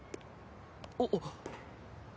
あっ。